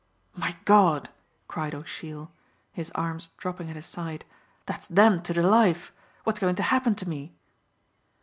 "My God!" cried O'Sheill, his arms dropping at his side, "that's them to the life! What's going to happen to me?"